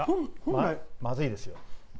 まずいですよ！